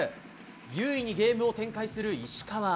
優位にゲームを展開する石川。